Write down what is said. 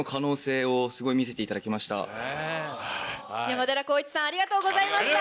山寺宏一さんありがとうございました。